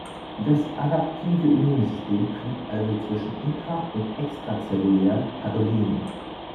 Das adaptive Immunsystem trennt also zwischen intra- und extrazellulären Pathogenen.